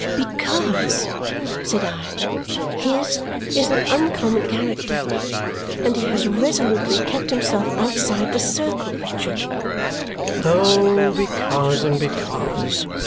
"Because," said I, "his is an uncommon character, and he has resolutely kept himself outside the circle, Richard." "Oh, because and because!"